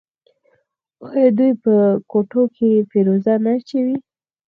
آیا دوی په ګوتو کې فیروزه نه اچوي؟